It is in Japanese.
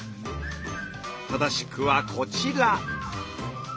正しくはこちら。